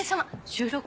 収録？